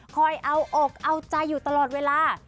เอาอกเอาใจอยู่ตลอดเวลา